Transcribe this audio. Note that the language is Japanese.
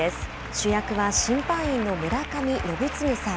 主役は審判員の村上伸次さん。